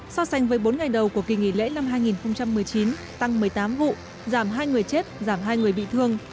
so sánh với bốn ngày đầu của kỳ nghỉ lễ năm hai nghìn một mươi chín tăng một mươi tám vụ giảm hai người chết giảm hai người bị thương